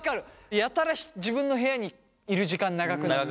やたら自分の部屋にいる時間長くなったり。